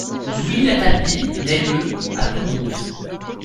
Louis Latapie naît le à Toulouse.